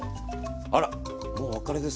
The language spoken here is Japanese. あらもうお別れですか。